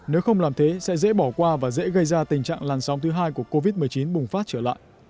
nếu không làm thế sẽ dễ bỏ qua và dễ gây ra tình trạng làn sóng thứ hai của covid một mươi chín bùng phát trở lại